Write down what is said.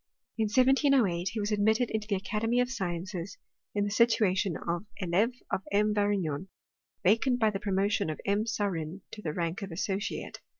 In 1708 he was ad mitted into the Academy of Sciences, in the situation of €lh)e of M. Varignon, vacant by the promotion (tf M. Saurin to the rank of associate.